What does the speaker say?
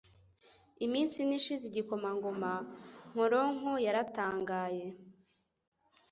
Iminsi ine ishize, igikomangoma Nkoronko yaratangaye